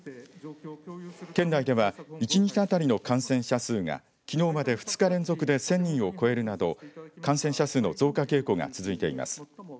県内では１日当たりの感染者数がきのうまで、２日連続で１０００人を超えるなど感染者数の増加傾向が続いています。